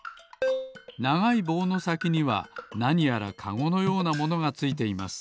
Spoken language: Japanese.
ながいぼうのさきにはなにやらカゴのようなものがついています。